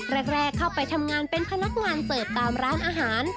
แรกเข้าไปทำงานเป็นพนักงานเสิร์ฟตามร้านอาหาร